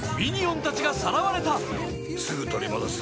すぐ取り戻す。